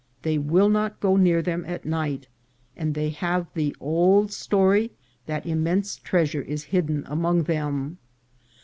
They will not go near them at night, and they have the old story that immense treasure is hidden among them.